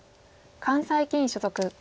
関西棋院所属。